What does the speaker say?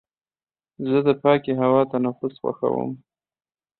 زه د پاکې هوا تنفس خوښوم.